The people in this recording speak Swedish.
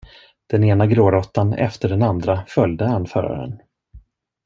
Den ena gråråttan efter den andra följde anföraren.